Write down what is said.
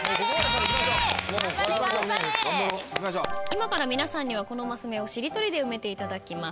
今から皆さんにはこのマス目をしりとりで埋めていただきます。